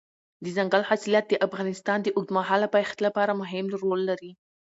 دځنګل حاصلات د افغانستان د اوږدمهاله پایښت لپاره مهم رول لري.